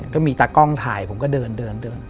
ก็มีตากล้องถ่ายผมก็เดินเดิน